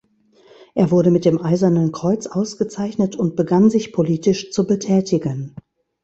Er wurde mit dem Eisernen Kreuz ausgezeichnet, und begann sich politisch zu betätigen.